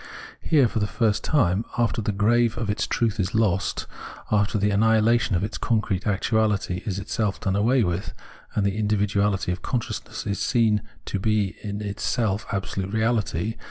Here, for the first time, after the grave of its truth is lost, after the annihilation of its concrete actuahty is itself done away with, and the individuahty 3f consciousness is seen to be in itself absolute reahty